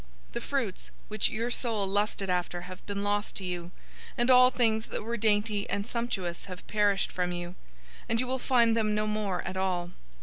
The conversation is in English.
018:014 The fruits which your soul lusted after have been lost to you, and all things that were dainty and sumptuous have perished from you, and you will find them no more at all.